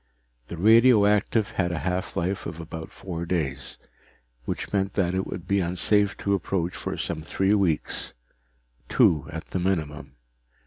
The radioactive had a half life of about four days, which meant that it would be unsafe to approach for some three weeks two at the minimum.